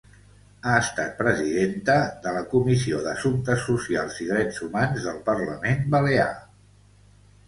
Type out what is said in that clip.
Ha estat Presidenta de la Comissió d'Assumptes Socials i Drets Humans del Parlament Balear.